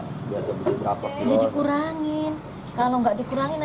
mau dinaikin langganannya takutnya gimana